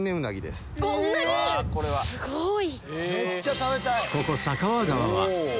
すごい！